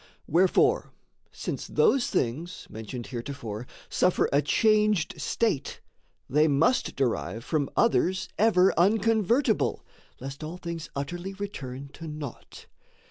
Wherefore, since those things, mentioned heretofore, Suffer a changed state, they must derive From others ever unconvertible, Lest an things utterly return to naught.